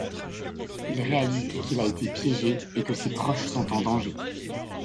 Il réalise qu'il a été piégé et que ses proches sont en danger.